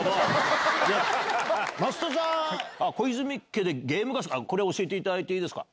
増戸さん「小泉家でゲーム合宿」教えていただいていいですか？